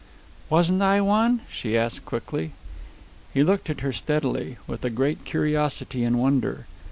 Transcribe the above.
"Wasn't I one!" she asked quickly. He looked at her steadily, with a great curiosity and wonder.